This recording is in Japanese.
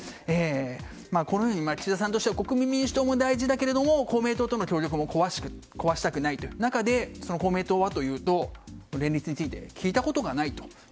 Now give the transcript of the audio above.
このように岸田さんとしては国民民主党も大事だけども公明党との協力も壊したくないという中で公明党はというと連立について聞いたことがないと。